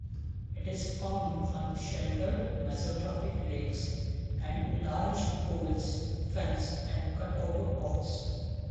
It is found on sheltered mesotrophic lakes and large pools, fens and cutover bogs.